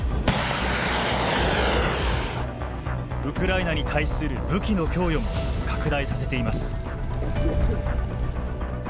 ウクライナに対する武器の供与も拡大させています。